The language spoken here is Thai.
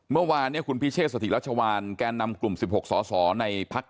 เมื่อวานเนี่ยคุณพิเชษสถิรัชวานแก่นำกลุ่ม๑๖สอสอในพัก